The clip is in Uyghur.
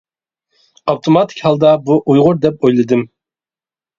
ئاپتوماتىك ھالدا بۇ ئۇيغۇر دەپ ئويلىدىم.